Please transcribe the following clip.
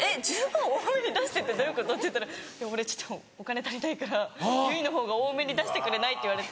円多めに出してってどういうこと？」って言ったら「俺お金足りないから結実のほうが多めに出してくれない？」って言われて。